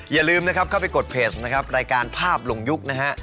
อย่าลืมนะครับเข้าไปกดเพจนะครับรายการภาพลงยุคนะฮะ